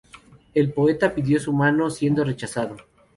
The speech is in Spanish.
El poeta pidió su mano, siendo rechazado.